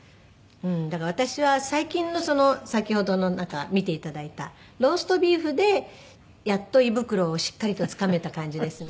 だから私は最近のその先ほどのなんか見ていただいたローストビーフでやっと胃袋をしっかりとつかめた感じですね。